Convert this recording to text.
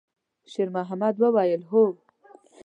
شېرمحمد وویل: «هو.»